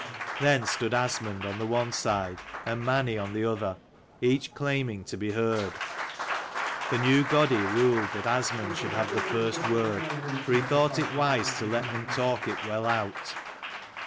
Then stood Asmund on the one side and Mani on the other, each claiming to be heard. The new Godi ruled that Asmund should have the first word : for he thought it wise to let them talk it well out.